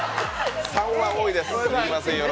３は多いです。